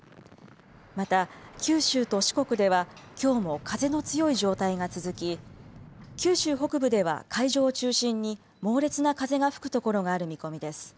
また、九州と四国ではきょうも風の強い状態が続き九州北部では海上を中心に猛烈な風が吹くところがある見込みです。